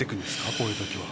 こういう時は。